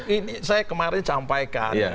ini saya kemarin sampaikan